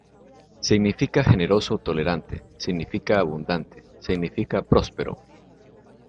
寛 significa "generoso, tolerante", 裕 significa "abundante" y 浩 significa "próspero".